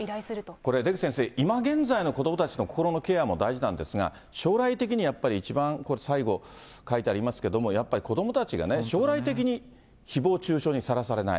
これ出口先生、今現在の子どもたちの心のケアも大事なんですが、将来的にやっぱり一番最後書いてありますけれども、やっぱり子どもたちがね、将来的に、ひぼう中傷にさらされない。